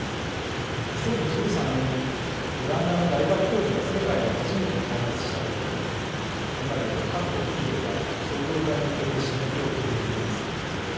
２０１３年にオランダの大学教授が世界で初めて開発したといわれ今では各国企業が商業化に向けてしのぎを削っています。